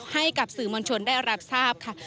ให้กับสื่อมวลชนได้รับทราบค่ะ